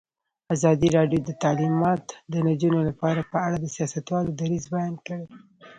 ازادي راډیو د تعلیمات د نجونو لپاره په اړه د سیاستوالو دریځ بیان کړی.